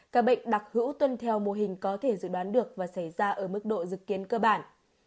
các bệnh đặc hữu tuân theo mô hình có thể dự đoán được và xảy ra ở mức độ dự kiến cơ bản